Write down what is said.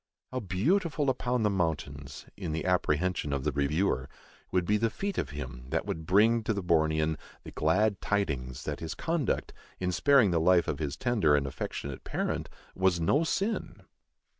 "How beautiful upon the mountains," in the apprehension of the reviewer, "would be the feet of him that would bring" to the Bornean "the glad tidings" that his conduct, in sparing the life of his tender and affectionate parent, was no sin!